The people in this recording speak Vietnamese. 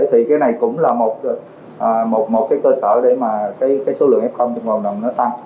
thì cái này cũng là một cái cơ sở để mà cái số lượng f trong cộng đồng nó tăng